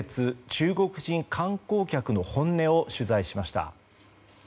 中国人観光客の本音を取材しました。